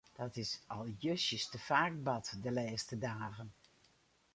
Dat is al justjes te faak bard de lêste dagen.